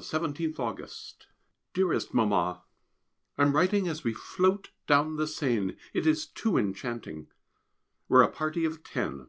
[Sidenote: Yacht "Sauterelle"] Dearest Mamma, I am writing as we float down the Seine, it is too enchanting. We are a party of ten.